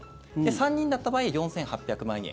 ３人だった場合、４８００万円。